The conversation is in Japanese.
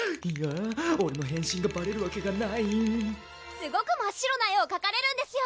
すごく真っ白な絵をかかれるんですよ